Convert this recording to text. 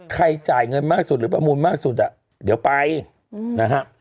จ่ายเงินมากสุดหรือประมูลมากสุดอ่ะเดี๋ยวไปนะฮะ